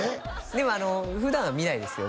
でも普段は見ないですよ